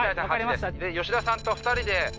８です吉田さんと２人で。